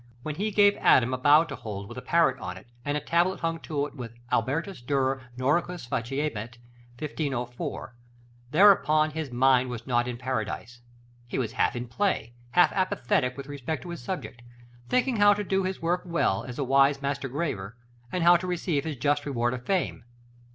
When he gave Adam a bough to hold, with a parrot on it, and a tablet hung to it, with "Albertus Durer Noricus faciebat, 1504," thereupon, his mind was not in Paradise. He was half in play, half apathetic with respect to his subject, thinking how to do his work well, as a wise master graver, and how to receive his just reward of fame.